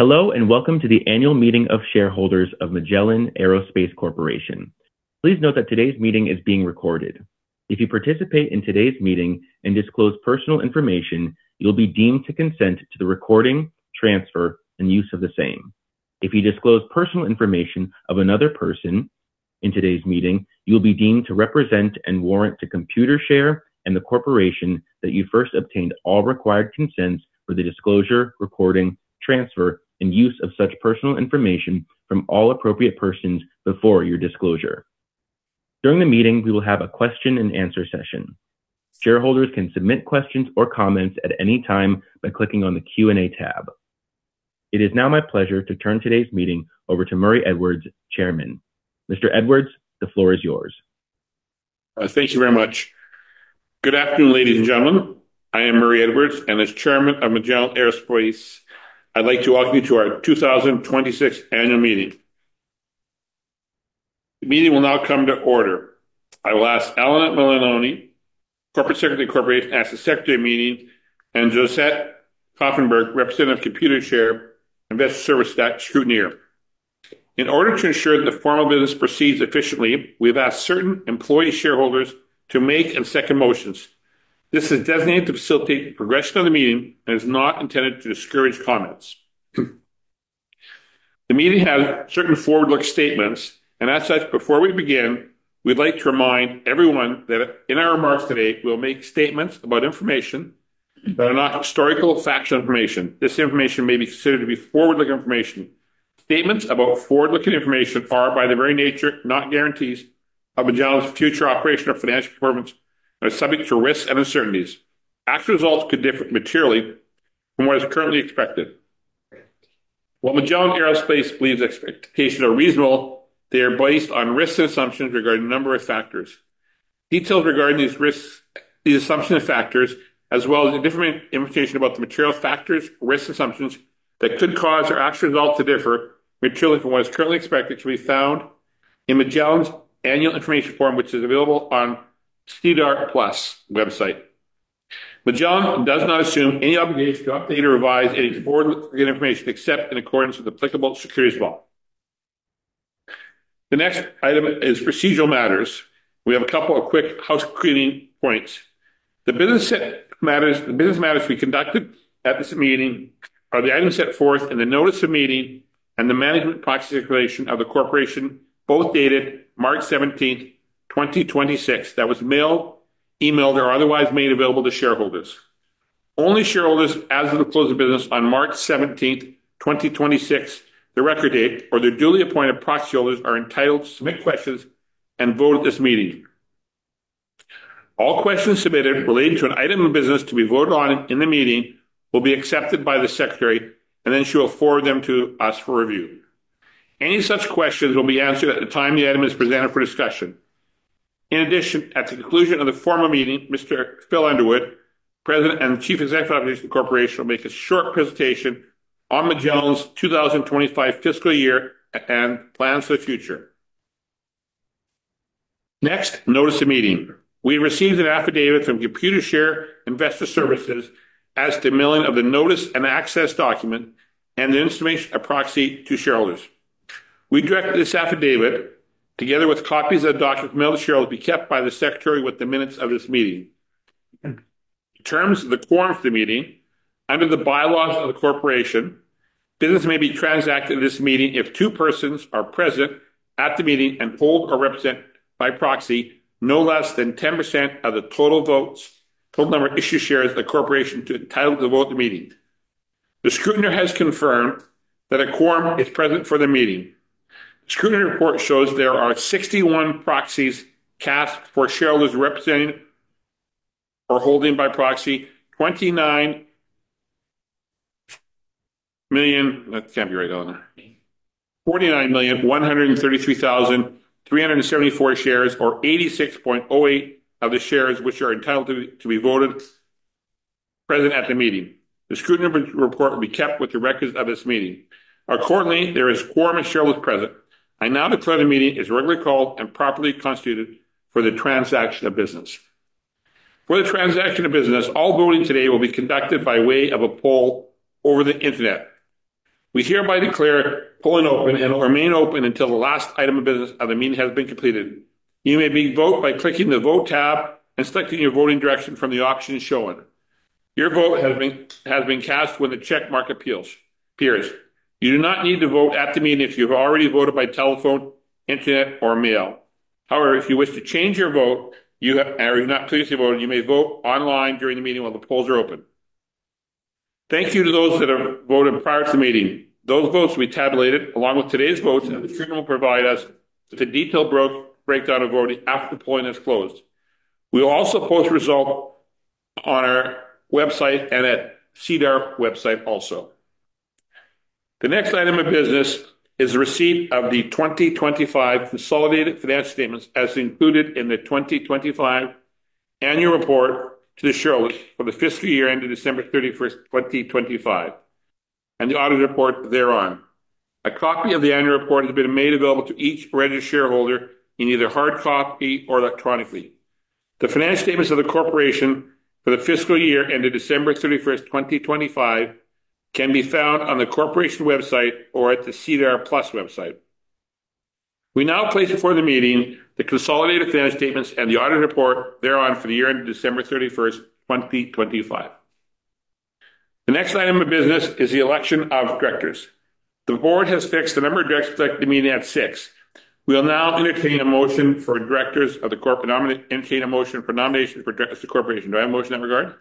Hello and welcome to the annual meeting of shareholders of Magellan Aerospace Corporation. Please note that today's meeting is being recorded. If you participate in today's meeting and disclose personal information, you'll be deemed to consent to the recording, transfer, and use of the same. If you disclose personal information of another person in today's meeting, you'll be deemed to represent and warrant to Computershare and the corporation that you first obtained all required consents for the disclosure, recording, transfer, and use of such personal information from all appropriate persons before your disclosure. During the meeting, we will have a question and answer session. Shareholders can submit questions or comments at any time by clicking on the Q&A tab. It is now my pleasure to turn today's meeting over to Murray Edwards, Chairman. Mr. Edwards, the floor is yours. Thank you very much. Good afternoon, ladies and gentlemen. I am Murray Edwards, as Chairman of Magellan Aerospace, I'd like to welcome you to our 2026 annual meeting. The meeting will now come to order. I will ask Elena Milantoni, Corporate Secretary of the corporation, as the Secretary of the meeting, and Josette Koffenberg, Representative of Computershare Investor Services, as Scrutineer. In order to ensure that the formal business proceeds efficiently, we have asked certain employee shareholders to make and second motions. This is designated to facilitate the progression of the meeting and is not intended to discourage comments. The meeting has certain forward-looking statements. As such, before we begin, we'd like to remind everyone that in our remarks today, we'll make statements about information that are not historical factual information. This information may be considered to be forward-looking information. Statements about forward-looking information are, by their very nature, not guarantees of Magellan's future operation or financial performance and are subject to risks and uncertainties. Actual results could differ materially from what is currently expected. While Magellan Aerospace believes expectations are reasonable, they are based on risks and assumptions regarding a number of factors. Details regarding these risks, these assumption factors, as well as different information about the material factors, risks, assumptions that could cause our actual result to differ materially from what is currently expected to be found in Magellan's annual information form, which is available on SEDAR+ website. Magellan does not assume any obligation to update or revise any forward-looking information except in accordance with applicable securities law. The next item is procedural matters. We have a couple of quick housecleaning points. The business matters to be conducted at this meeting are the items set forth in the notice of meeting and the management proxy declaration of the corporation, both dated March 17th, 2026, that was mailed, emailed, or otherwise made available to shareholders. Only shareholders as of the close of business on March 17th, 2026, the record date or their duly appointed proxy holders are entitled to submit questions and vote at this meeting. All questions submitted related to an item of business to be voted on in the meeting will be accepted by the Secretary, and then she will forward them to us for review. Any such questions will be answered at the time the item is presented for discussion. In addition, at the conclusion of the formal meeting, Mr. Phil Underwood, President and Chief Executive Officer of the Corporation, will make a short presentation on Magellan's 2025 fiscal year and plans for the future. Next, notice of meeting. We received an affidavit from Computershare Investor Services as to mailing of the notice and access document and the information and proxy to shareholders. We direct that this affidavit, together with copies of documents mailed to shareholders, be kept by the Secretary with the minutes of this meeting. In terms of the quorum for the meeting, under the bylaws of the corporation, business may be transacted at this meeting if two persons are present at the meeting and hold or represent by proxy no less than 10% of the total votes, total number of issued shares of the corporation to entitled to vote at the meeting. The Scrutineer has confirmed that a quorum is present for the meeting. The Scrutineer report shows there are 61 proxies cast for shareholders representing or holding by proxy 29 million. That can't be right, Elena. 49,133,374 shares, or 86.08 of the shares which are entitled to be voted present at the meeting. The scrutineer report will be kept with the records of this meeting. Accordingly, there is quorum of shareholders present. I now declare the meeting is regularly called and properly constituted for the transaction of business. For the transaction of business, all voting today will be conducted by way of a poll over the Internet. We hereby declare polling open and it will remain open until the last item of business of the meeting has been completed. You may begin vote by clicking the Vote tab and selecting your voting direction from the options shown. Your vote has been cast when the checkmark appears. You do not need to vote at the meeting if you have already voted by telephone, Internet, or mail. However, if you wish to change your vote, or you're not pleased with your vote, you may vote online during the meeting while the polls are open. Thank you to those that have voted prior to the meeting. Those votes will be tabulated, along with today's votes, and the scrutineer will provide us with a detailed breakdown of voting after the polling has closed. We will also post the result on our website and at SEDAR website also. The next item of business is the receipt of the 2025 consolidated financial statements as included in the 2025 annual report to the shareholders for the fiscal year ending December 31st, 2025, and the audit report thereon. A copy of the annual report has been made available to each registered shareholder in either hard copy or electronically. The financial statements of the corporation for the fiscal year ended December 31st, 2025 can be found on the corporation website or at the SEDAR+ website. We now place before the meeting the consolidated financial statements and the audit report thereon for the year ended December 31st, 2025. The next item of business is the election of directors. The Board has fixed the number of directors elected to the meeting at six. We will now entertain a motion for nomination for directors of the corporation. Do I have a motion in that regard?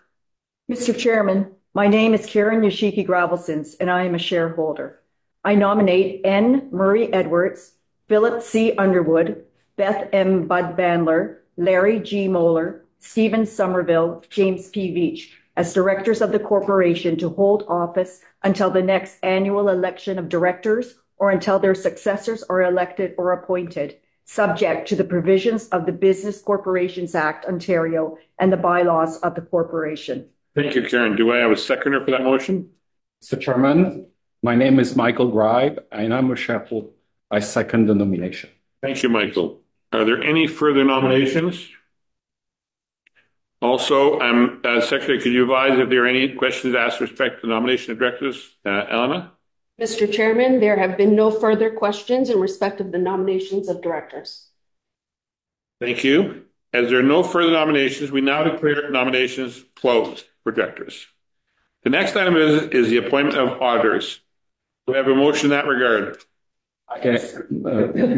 Mr. Chairman, my name is Karen Yoshiki-Gravelsins, and I am a shareholder. I nominate N. Murray Edwards, Phillip C. Underwood, Beth M. Budd Bandler, Larry G. Moeller, Steven Somerville, James P. Veitch as directors of the corporation to hold office until the next annual election of directors or until their successors are elected or appointed, subject to the provisions of the Business Corporations Act (Ontario), and the bylaws of the corporation. Thank you, Karen. Do I have a seconder for that motion? Mr. Chairman, my name is Michael Gribe, and I'm a shareholder. I second the nomination. Thank you, Michael. Are there any further nominations? Secretary, could you advise if there are any questions asked with respect to the nomination of directors? Elena? Mr. Chairman, there have been no further questions in respect of the nominations of directors. Thank you. There are no further nominations, we now declare nominations closed for directors. The next item is the appointment of auditors. Do I have a motion in that regard? I can.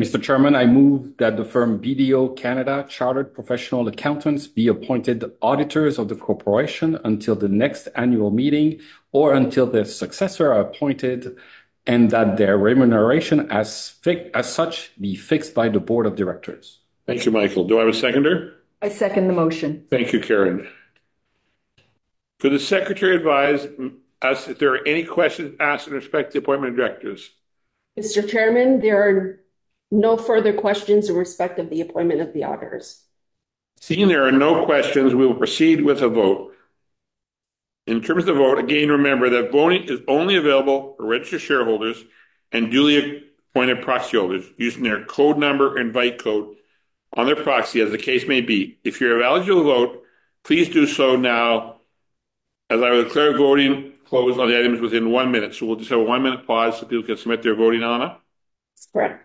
Mr. Chairman, I move that the firm BDO Canada Chartered Professional Accountants be appointed auditors of the corporation until the next annual meeting or until their successor are appointed, and that their remuneration as such be fixed by the Board of Directors. Thank you, Michael. Do I have a seconder? I second the motion. Thank you, Karen. Could the Secretary advise us if there are any questions asked in respect to the appointment of directors? Mr. Chairman, there are no further questions in respect of the appointment of the auditors. Seeing there are no questions, we will proceed with a vote. In terms of vote, again, remember that voting is only available for registered shareholders and duly appointed proxy holders using their code number or invite code on their proxy as the case may be. If you're eligible to vote, please do so now as I will declare voting closed on the items within one minute. We'll just have a one-minute pause so people can submit their voting, Elena. Correct.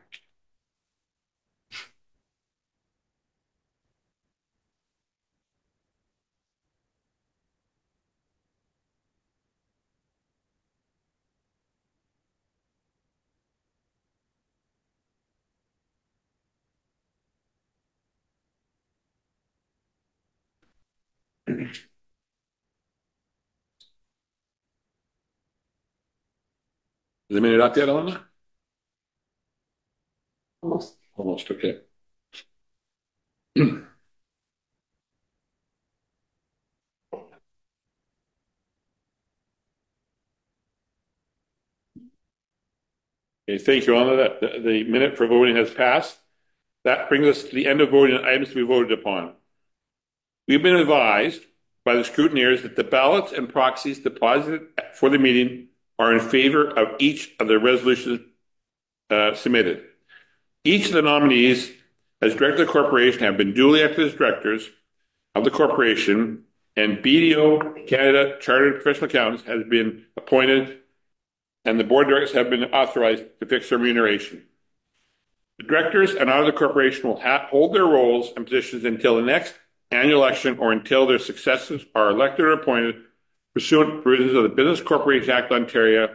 Is the minute up yet, Elena? Almost. Almost. Okay. Okay. Thank you, Elena. The minute for voting has passed. That brings us to the end of voting on items to be voted upon. We've been advised by the scrutineers that the ballots and proxies deposited for the meeting are in favor of each of the resolutions submitted. Each of the nominees as director of the corporation have been duly elected as directors of the corporation and BDO Canada Chartered Professional Accountants has been appointed, and the Board of Directors have been authorized to fix their remuneration. The Directors and audit of the corporation will hold their roles and positions until the next annual election or until their successors are elected or appointed pursuant to provisions of the Business Corporations Act (Ontario)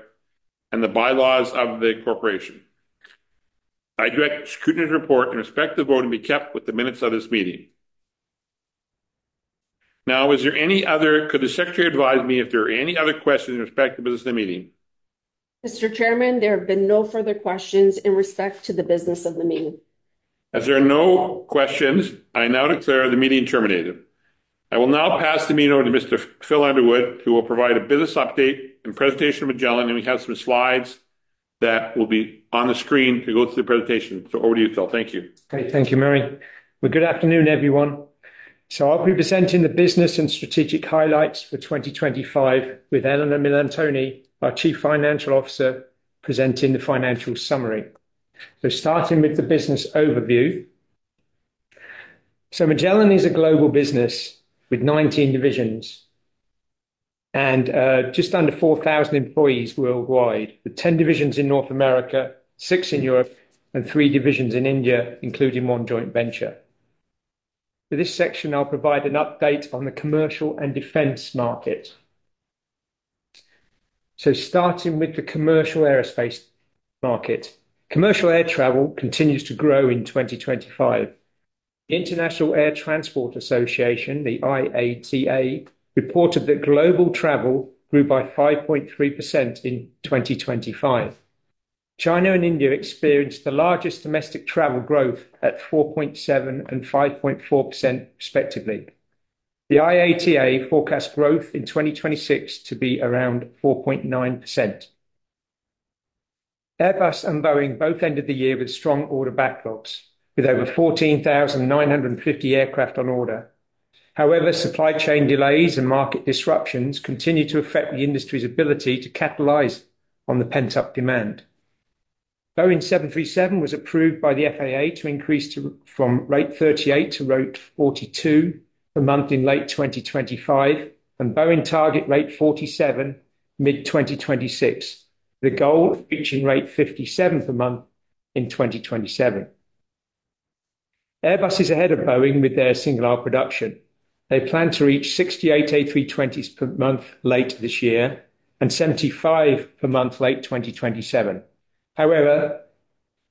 and the bylaws of the corporation. I direct the scrutineer's report in respect to the vote and be kept with the minutes of this meeting. Could the Secretary advise me if there are any other questions in respect to the business of the meeting? Mr. Chairman, there have been no further questions in respect to the business of the meeting. As there are no questions, I now declare the meeting terminated. I will now pass the meeting over to Mr. Phil Underwood, who will provide a business update and presentation of Magellan, and we have some slides that will be on the screen to go through the presentation. Over to you, Phil. Thank you. Thank you, Murray. Good afternoon, everyone. I'll be presenting the business and strategic highlights for 2025 with Elena Milantoni, our Chief Financial Officer, presenting the financial summary. Starting with the business overview. Magellan is a global business with 19 divisions and just under 4,000 employees worldwide, with 10 divisions in North America, six in Europe, and three divisions in India, including one joint venture. For this section, I'll provide an update on the commercial and defense market. Starting with the commercial aerospace market. Commercial air travel continues to grow in 2025. The International Air Transport Association, the IATA, reported that global travel grew by 5.3% in 2025. China and India experienced the largest domestic travel growth at 4.7% and 5.4% respectively. The IATA forecast growth in 2026 to be around 4.9%. Airbus and Boeing both ended the year with strong order backlogs, with over 14,950 aircraft on order. However, supply chain delays and market disruptions continue to affect the industry's ability to capitalize on the pent-up demand. Boeing 737 was approved by the FAA to increase from rate 38 to rate 42 per month in late 2025, and Boeing target rate 47 mid-2026, with a goal of reaching rate 57 per month in 2027. Airbus is ahead of Boeing with their single-aisle production. They plan to reach 68 A320s per month late this year and 75 per month late 2027. However,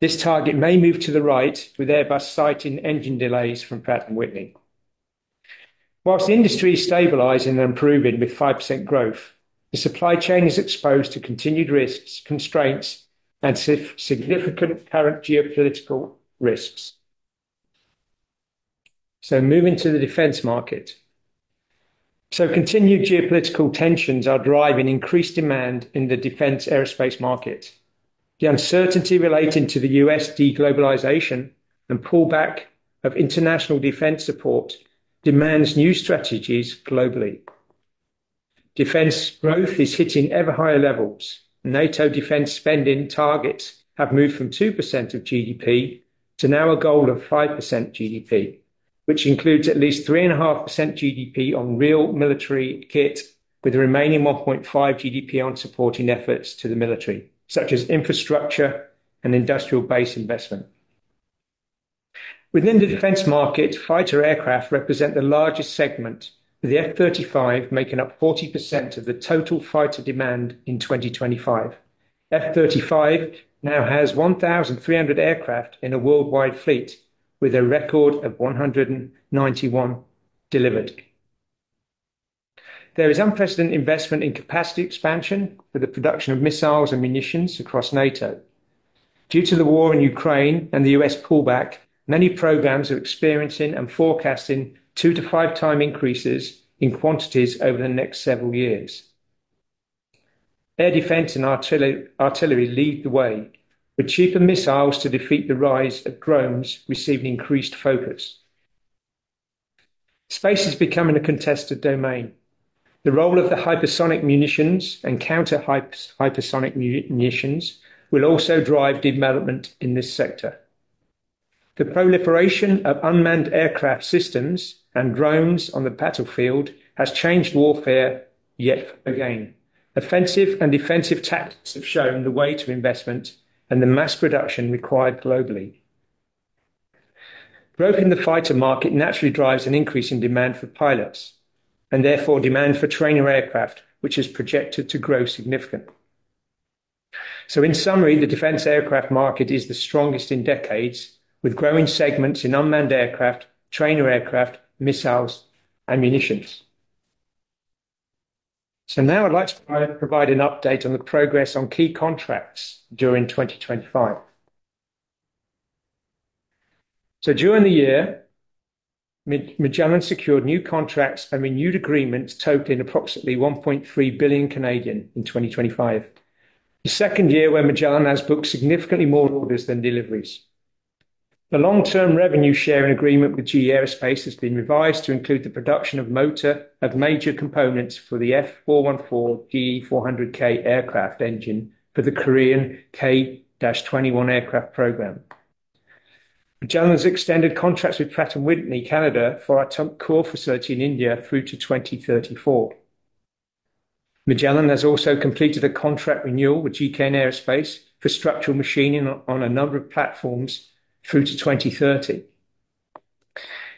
this target may move to the right, with Airbus citing engine delays from Pratt & Whitney. Whilst the industry is stabilizing and improving with 5% growth, the supply chain is exposed to continued risks, constraints, and significant current geopolitical risks. Moving to the defense market. Continued geopolitical tensions are driving increased demand in the defense aerospace market. The uncertainty relating to the U.S. de-globalization and pullback of international defense support demands new strategies globally. Defense growth is hitting ever higher levels. NATO defense spending targets have moved from 2% of GDP to now a goal of 5% GDP, which includes at least 3.5% GDP on real military kit, with the remaining 1.5 GDP on supporting efforts to the military, such as infrastructure and industrial base investment. Within the defense market, fighter aircraft represent the largest segment, with the F-35 making up 40% of the total fighter demand in 2025. F-35 now has 1,300 aircraft in a worldwide fleet with a record of 191 delivered. There is unprecedented investment in capacity expansion for the production of missiles and munitions across NATO. Due to the war in Ukraine and the U.S. pullback, many programs are experiencing and forecasting two to five time increases in quantities over the next several years. Air defense and artillery lead the way, with cheaper missiles to defeat the rise of drones receiving increased focus. Space is becoming a contested domain. The role of the hypersonic munitions and counter hypersonic munitions will also drive development in this sector. The proliferation of unmanned aircraft systems and drones on the battlefield has changed warfare yet again. Offensive and defensive tactics have shown the way to investment and the mass production required globally. Growth in the fighter market naturally drives an increase in demand for pilots and therefore demand for trainer aircraft, which is projected to grow significantly. In summary, the defense aircraft market is the strongest in decades, with growing segments in unmanned aircraft, trainer aircraft, missiles, and munitions. Now I'd like to provide an update on the progress on key contracts during 2025. During the year, Magellan secured new contracts and renewed agreements totaling approximately 1.3 billion in 2025, the second year where Magellan has booked significantly more orders than deliveries. The long-term revenue sharing agreement with GE Aerospace has been revised to include the production of major components for the F414-GE-400K aircraft engine for the Korean KF-21 aircraft program. Magellan has extended contracts with Pratt & Whitney Canada for our Tumkur facility in India through to 2034. Magellan has also completed a contract renewal with GKN Aerospace for structural machining on a number of platforms through to 2030.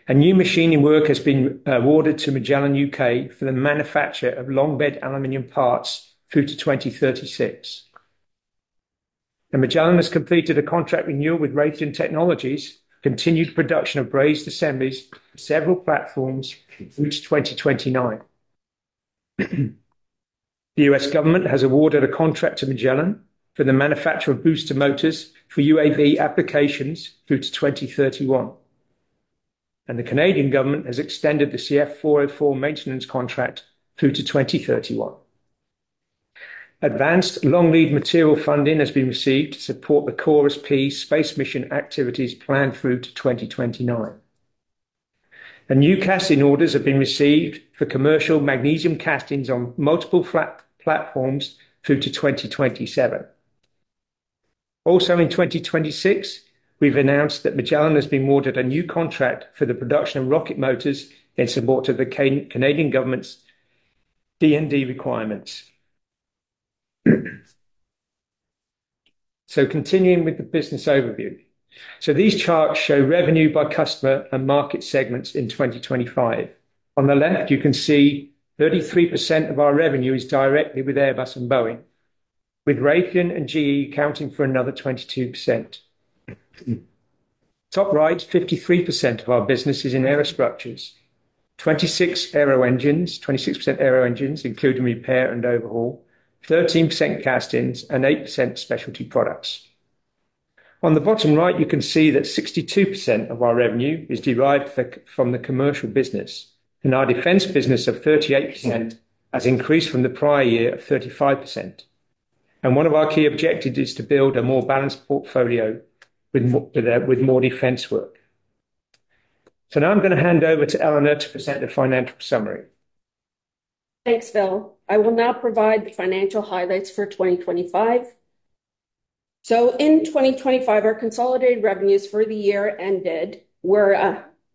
New machining work has been awarded to Magellan UK for the manufacture of long bed aluminum parts through to 2036. Magellan has completed a contract renewal with Raytheon for continued production of brazed assemblies for several platforms through to 2029. The U.S. government has awarded a contract to Magellan for the manufacture of booster motors for UAV applications through to 2031. The Canadian government has extended the CF-404 maintenance contract through to 2031. Advanced long-lead material funding has been received to support the CHORUS space mission activities planned through to 2029. New casting orders have been received for commercial magnesium castings on multiple platforms through to 2027. Also in 2026, we've announced that Magellan has been awarded a new contract for the production of rocket motors in support of the Canadian government's DND requirements. Continuing with the business overview. These charts show revenue by customer and market segments in 2025. On the left, you can see 33% of our revenue is directly with Airbus and Boeing, with Raytheon and GE accounting for another 22%. Top right, 53% of our business is in aerostructures, 26% aero engines, including repair and overhaul, 13% castings, and 8% specialty products. On the bottom right, you can see that 62% of our revenue is derived from the commercial business. Our defense business of 38% has increased from the prior year of 35%. One of our key objectives is to build a more balanced portfolio with more defense work. Now I'm going to hand over to Elena Milantoni to present the financial summary. Thanks, Phil. I will now provide the financial highlights for 2025. In 2025, our consolidated revenues for the year ended were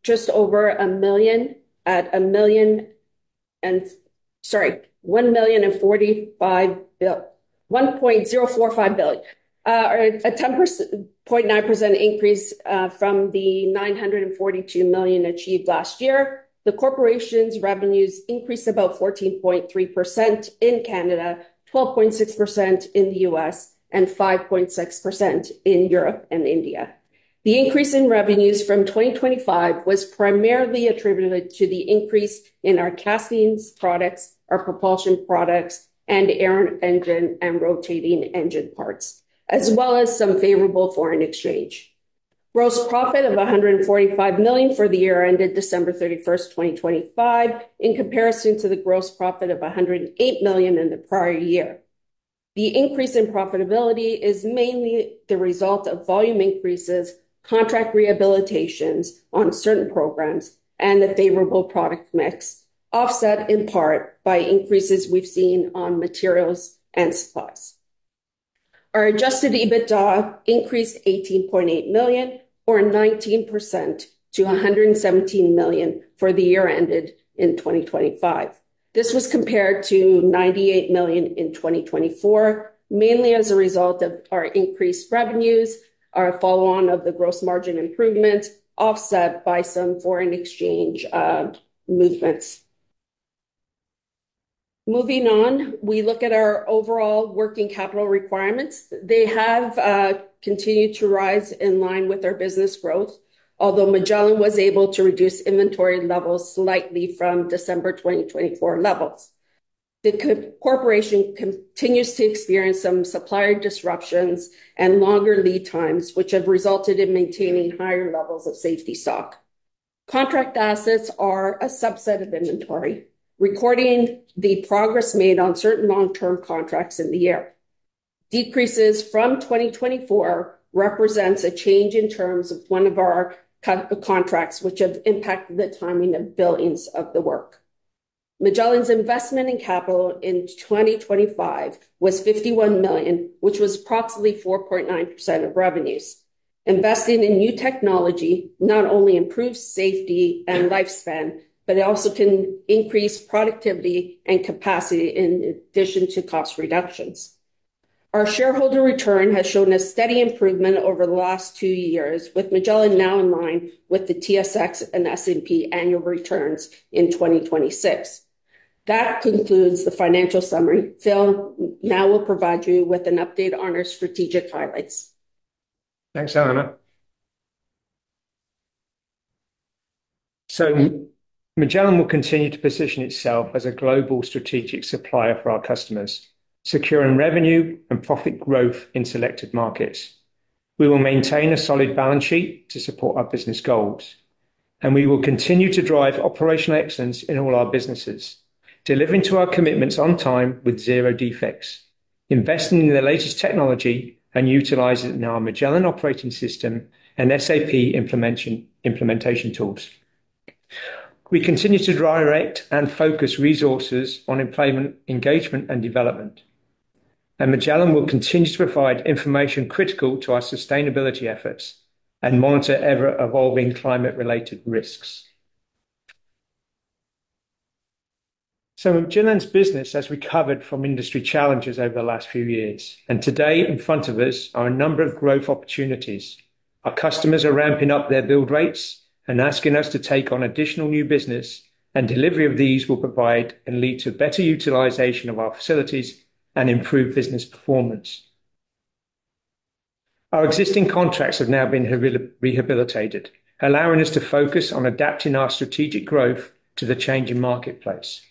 1.045 billion, a 10.9% increase from the 942 million achieved last year. The corporation's revenues increased about 14.3% in Canada, 12.6% in the U.S., and 5.6% in Europe and India. The increase in revenues from 2025 was primarily attributed to the increase in our castings products, our propulsion products, and aero engine and rotating engine parts, as well as some favorable foreign exchange. Gross profit of 145 million for the year ended December 31, 2025, in comparison to the gross profit of 108 million in the prior year. The increase in profitability is mainly the result of volume increases, contract rehabilitations on certain programs, and the favorable product mix, offset in part by increases we've seen on materials and supplies. Our Adjusted EBITDA increased 18.8 million or 19% to 117 million for the year ended in 2025. This was compared to 98 million in 2024, mainly as a result of our increased revenues, our follow on of the gross margin improvement, offset by some foreign exchange movements. Moving on, we look at our overall working capital requirements. They have continued to rise in line with our business growth. Magellan was able to reduce inventory levels slightly from December 2024 levels. The corporation continues to experience some supplier disruptions and longer lead times, which have resulted in maintaining higher levels of safety stock. Contract assets are a subset of inventory, recording the progress made on certain long-term contracts in the year. Decreases from 2024 represents a change in terms of one of our contracts which have impacted the timing of billings of the work. Magellan's investment in capital in 2025 was 51 million, which was approximately 4.9% of revenues. Investing in new technology not only improves safety and lifespan, but it also can increase productivity and capacity in addition to cost reductions. Our shareholder return has shown a steady improvement over the last two years, with Magellan now in line with the TSX and S&P annual returns in 2026. That concludes the financial summary. Phil now will provide you with an update on our strategic highlights. Thanks, Elena Milantoni. Magellan will continue to position itself as a global strategic supplier for our customers, securing revenue and profit growth in selected markets. We will maintain a solid balance sheet to support our business goals, and we will continue to drive operational excellence in all our businesses, delivering to our commitments on time with zero defects, investing in the latest technology and utilize it in our Magellan Operating System and SAP implementation tools. Magellan will continue to direct and focus resources on employment, engagement, and development. Magellan will continue to provide information critical to our sustainability efforts and monitor ever-evolving climate related risks. Magellan's business has recovered from industry challenges over the last few years, and today in front of us are a number of growth opportunities. Our customers are ramping up their build rates and asking us to take on additional new business, and delivery of these will provide and lead to better utilization of our facilities and improve business performance. Our existing contracts have now been rehabilitated, allowing us to focus on adapting our strategic growth to the changing marketplace.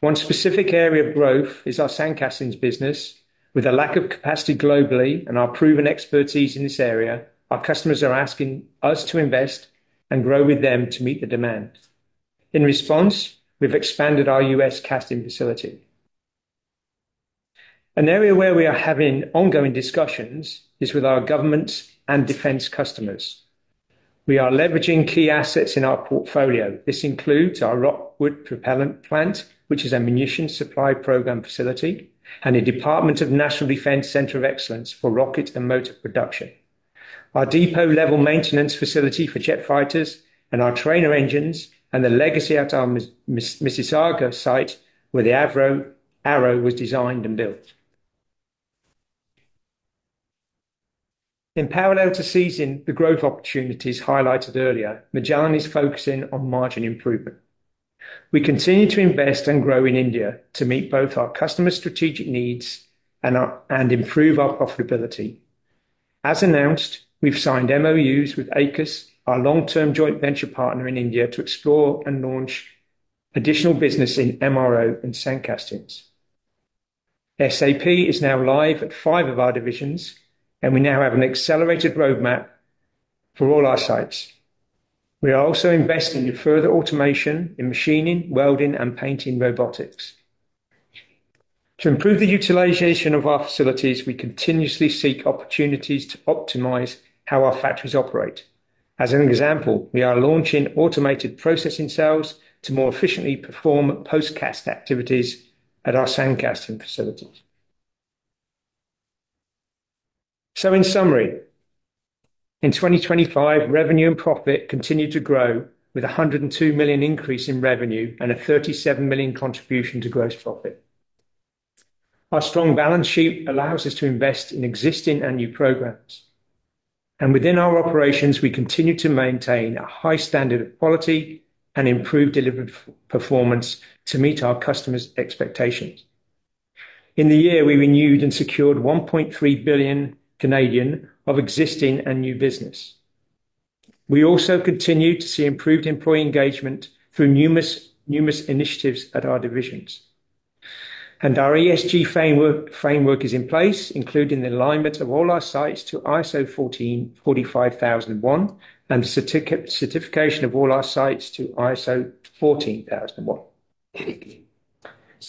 One specific area of growth is our sand castings business. With a lack of capacity globally and our proven expertise in this area, our customers are asking us to invest and grow with them to meet the demand. In response, we've expanded our U.S. casting facility. An area where we are having ongoing discussions is with our governments and defense customers. We are leveraging key assets in our portfolio. This includes our Rockwood propellant plant, which is a munition supply program facility and a Department of National Defence Center of Excellence for rocket and motor production, our depot-level maintenance facility for jet fighters and our trainer engines, and the legacy at our Mississauga site where the Avro Arrow was designed and built. In parallel to seizing the growth opportunities highlighted earlier, Magellan is focusing on margin improvement. We continue to invest and grow in India to meet both our customer strategic needs and improve our profitability. As announced, we've signed MOUs with Aequs, our long-term joint venture partner in India, to explore and launch additional business in MRO and sand castings. SAP is now live at five of our divisions. We now have an accelerated roadmap for all our sites. We are also investing in further automation in machining, welding, and painting robotics. To improve the utilization of our facilities, we continuously seek opportunities to optimize how our factories operate. As an example, we are launching automated processing cells to more efficiently perform post-cast activities at our sand casting facilities. In summary, in 2025, revenue and profit continued to grow with a 102 million increase in revenue and a 37 million contribution to gross profit. Our strong balance sheet allows us to invest in existing and new programs. Within our operations, we continue to maintain a high standard of quality and improve delivered performance to meet our customers' expectations. In the year, we renewed and secured 1.3 billion of existing and new business. We also continued to see improved employee engagement through numerous initiatives at our divisions. Our ESG framework is in place, including the alignment of all our sites to ISO 45001 and the certification of all our sites to ISO 14001.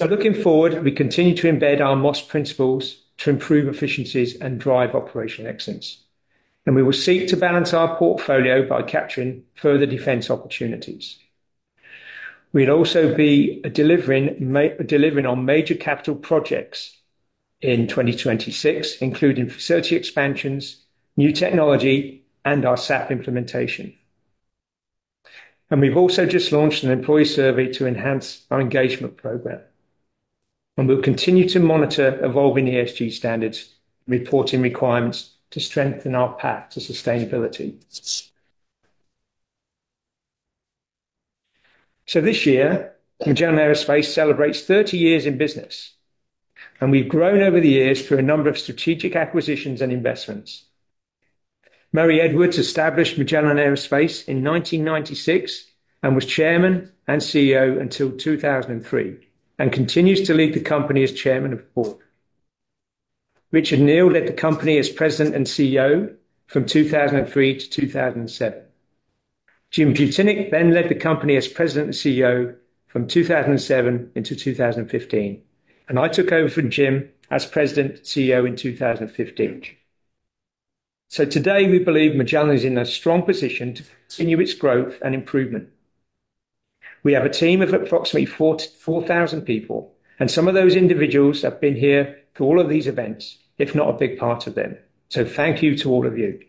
Looking forward, we continue to embed our MOS principles to improve efficiencies and drive operational excellence, and we will seek to balance our portfolio by capturing further defense opportunities. We'll also be delivering on major capital projects in 2026, including facility expansions, new technology, and our SAP implementation. We've also just launched an employee survey to enhance our engagement program. We'll continue to monitor evolving ESG standards, reporting requirements to strengthen our path to sustainability. This year, Magellan Aerospace celebrates 30 years in business, and we've grown over the years through a number of strategic acquisitions and investments Murray Edwards established Magellan Aerospace in 1996 and was Chairman and CEO until 2003, and continues to lead the company as Chairman of the Board. Richard Neill led the company as President and CEO from 2003 to 2007. James Butyniec then led the company as President and CEO from 2007 into 2015, and I took over from James as President and CEO in 2015. Today, we believe Magellan is in a strong position to continue its growth and improvement. We have a team of approximately 4,000 people, and some of those individuals have been here through all of these events, if not a big part of them. Thank you to all of you.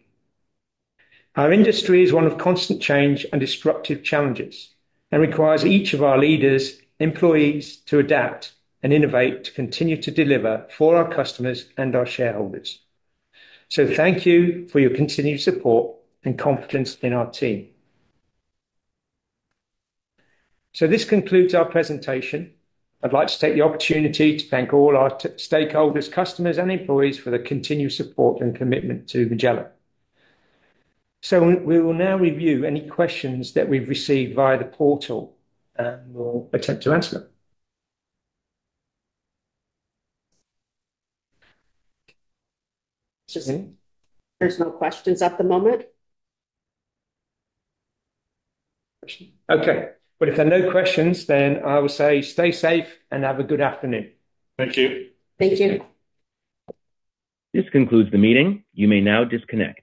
Our industry is one of constant change and disruptive challenges and requires each of our leaders, employees to adapt and innovate to continue to deliver for our customers and our shareholders. Thank you for your continued support and confidence in our team. This concludes our presentation. I'd like to take the opportunity to thank all our stakeholders, customers, and employees for their continued support and commitment to Magellan. We will now review any questions that we've received via the portal, and we'll attempt to answer them. Susan? There's no questions at the moment. Okay. Well, if there are no questions, then I will say stay safe and have a good afternoon. Thank you. Thank you. This concludes the meeting. You may now disconnect.